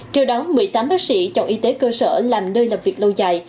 trước đó một mươi tám bác sĩ chọn y tế cơ sở làm nơi làm việc lâu dài